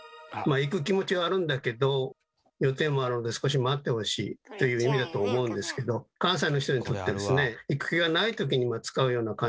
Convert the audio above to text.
行く気持ちはあるんだけど予定もあるので少し待ってほしいという意味だと思うんですけど関西の人にとってですね行く気がない時に使うような感じがするんですよね。